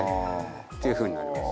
っていうふうになります。